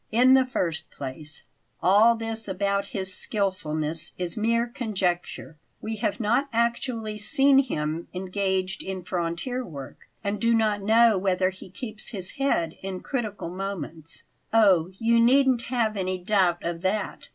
In the first place, all this about his skilfulness is mere conjecture; we have not actually seen him engaged in frontier work and do not know whether he keeps his head in critical moments." "Oh, you needn't have any doubt of that!"